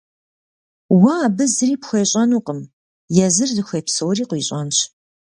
Уэ абы зыри пхуещӏэнукъым, езыр зыхуей псори къуищӏэнщ.